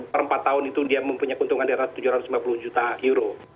per empat tahun itu dia mempunyai keuntungan di atas tujuh ratus lima puluh juta euro